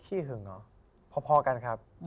ขึงเหรอพอกันครับ